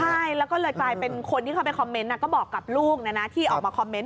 ใช่แล้วก็เลยกลายเป็นคนที่เข้าไปคอมเมนต์ก็บอกกับลูกที่ออกมาคอมเมนต